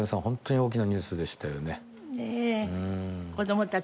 ホントに大きなニュースでしたよね